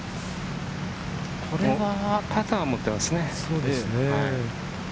これはパターを持ってますね。